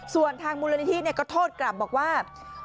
ส่วนทางมูลนิธิก็โทษกลับบอกว่า